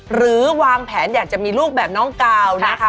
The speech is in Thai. หรือวางแผนอยากจะมีลูกแบบน้องกาวนะคะ